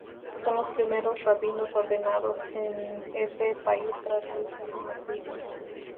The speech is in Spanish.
Son los primeros rabinos ordenados en ese país tras el nazismo.